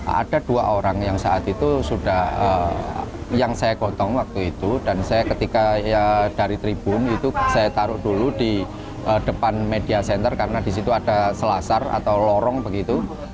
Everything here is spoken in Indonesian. ada dua orang yang saat itu sudah yang saya gotong waktu itu dan saya ketika dari tribun itu saya taruh dulu di depan media center karena disitu ada selasar atau lorong begitu